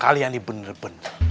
kalian nih bener bener